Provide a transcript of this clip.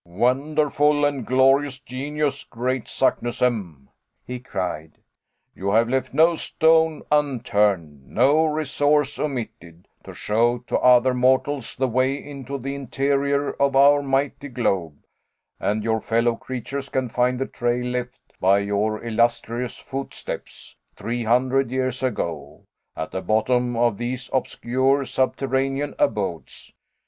"Wonderful and glorious genius, great Saknussemm," he cried, "you have left no stone unturned, no resource omitted, to show to other mortals the way into the interior of our mighty globe, and your fellow creatures can find the trail left by your illustrious footsteps, three hundred years ago, at the bottom of these obscure subterranean abodes.